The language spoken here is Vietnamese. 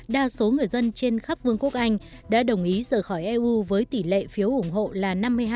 đa số người dân trên khắp vương quốc anh đã đồng ý rời khỏi eu với tỷ lệ phiếu ủng hộ là năm mươi hai